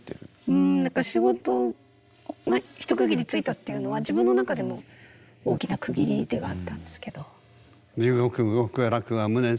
うん何か仕事が一区切りついたっていうのは自分の中でも大きな区切りではあったんですけど。